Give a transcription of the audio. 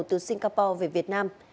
từ singapore về việt nam